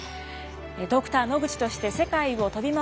ドクター野口として世界を飛び回り